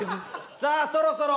さあそろそろ。